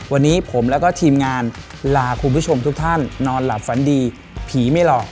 วันนี้ผมแล้วก็ทีมงานลาคุณผู้ชมทุกท่านนอนหลับฝันดีผีไม่หลอก